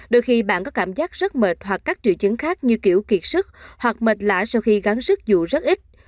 đôi khi bạn có cảm giác rất mệt hoặc các triệu chứng khác như kiểu kiệt sức hoặc mệt lạ sau khi gắn sức dụ rất ít